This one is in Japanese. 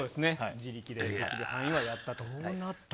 自力でやれる範囲はやったと。